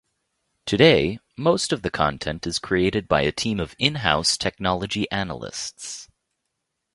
Today, most of the content is created by a team of in-house technology analysts.